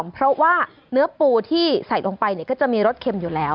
เพราะว่าเนื้อปูที่ใส่ลงไปก็จะมีรสเค็มอยู่แล้ว